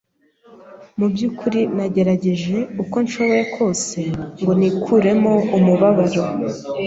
Mu byukuri nagerageje uko nshoboye kose ngo nikuremo umubabaro